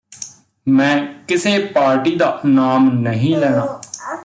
ਮੈਂ ਕਿਸੇ ਪਾਰਟੀ ਦਾ ਨਾਮ ਨਹੀਂ ਲੈਣਾ